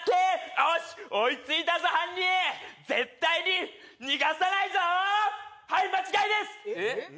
よし追いついたぞ犯人絶対に逃がさないぞはい間違いです